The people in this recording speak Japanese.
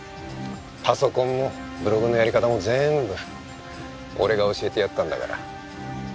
パソコンもブログのやり方も全部俺が教えてやったんだから。